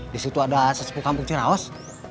di situ ada sesepu kampung cinaos